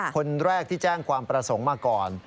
คนแรกที่แจ้งความประสงค์มาก่อน